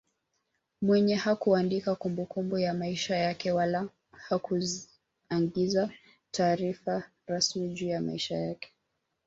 Mwenyewe hakuandika kumbukumbu ya maisha yake wala hakuagiza taarifa rasmi juu ya maisha yake